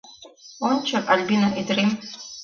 Ончо, Альбина ӱдырем.